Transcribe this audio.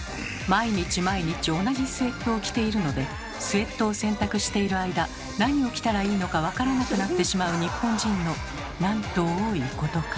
毎日毎日同じスウェットを着ているのでスウェットを洗濯している間何を着たらいいのか分からなくなってしまう日本人のなんと多いことか。